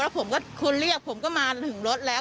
ผมก็คนเรียกผมก็มาถึงรถแล้ว